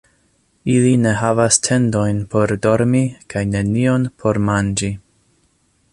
Ili ne havas tendojn por dormi kaj nenion por manĝi.